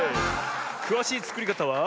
くわしいつくりかたは。